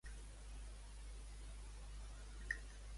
Estaria content sent ajuda de cambra, senyor.